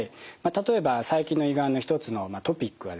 例えば最近の胃がんの一つのトピックはですね